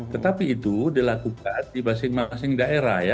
tetapi itu dilakukan di masing masing daerah ya